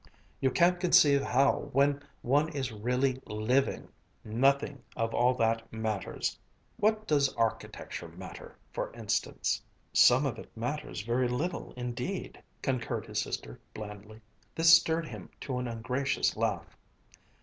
You can't conceive how, when one is really living, nothing of all that matters. What does architecture matter, for instance?" "Some of it matters very little indeed," concurred his sister blandly. This stirred him to an ungracious laugh.